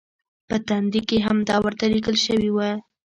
په تندي کې همدا ورته لیکل شوي و.